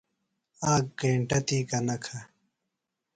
آک گینٹہ تی گہ نہ کھہ۔